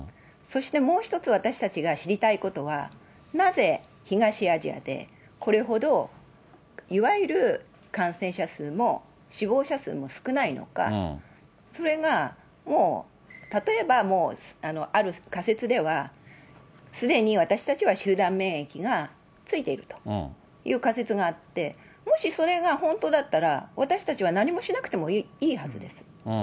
そしてもう一つ、私たちが知りたいことは、なぜ東アジアで、これほどいわゆる感染者数も死亡者数も少ないのか、それがもう、例えばもう、ある仮説ではすでに、私たちは集団免疫がついているという仮説があって、もしそれが本当だったら、私たちは何もしなくてもいいはずです。